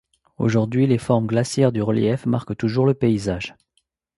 Aujourd'hui, les formes glaciaires du relief marquent toujours le paysage.